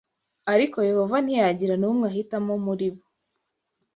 ariko Yehova ntiyagira n’umwe ahitamo muri bo